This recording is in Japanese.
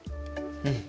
うん！